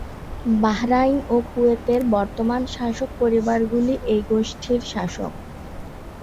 Bahrain ও কুয়েতের বর্তমান শাসক পরিবারগুলি এই গোষ্ঠীর শাসক।